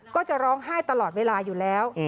ก็จะร้องไห้ตลอดเวลาอยู่แล้ว